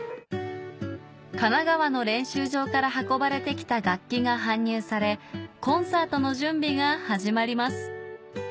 神奈川の練習場から運ばれてきた楽器が搬入されコンサートの準備が始まります